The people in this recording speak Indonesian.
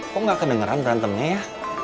kok gak kedengeran berantemnya ya